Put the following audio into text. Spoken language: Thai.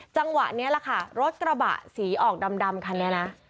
จังหวะนี้แหละค่ะรถกระบะสีออกดำคันนี้นะ